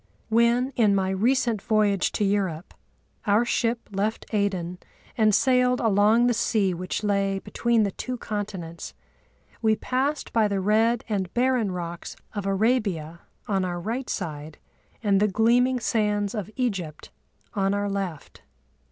When, in my recent voyage to Europe, our ship left Aden and sailed along the sea which lay between the two continents, we passed by the red and barren rocks of Arabia on our right side and the gleaming sands of Egypt on our left.